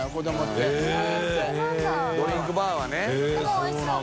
でもおいしそう。